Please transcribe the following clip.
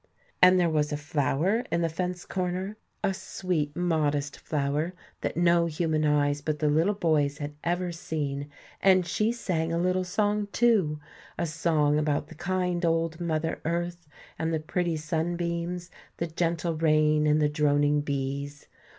And there was a flower in the fence corner, a sweet, modest flower that no human eyes but the little boy's had ever seen, and she sang a little song, too, a song about the kind old Mother Earth and the pretty sunbeams, the gentle rain and the droning bees.